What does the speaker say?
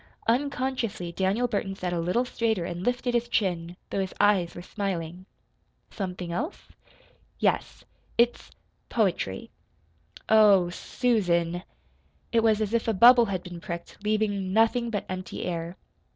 Unconsciously Daniel Burton sat a little straighter and lifted his chin though his eyes were smiling. "Something else?" "Yes. It's poetry." "Oh, SUSAN!" It was as if a bubble had been pricked, leaving nothing but empty air.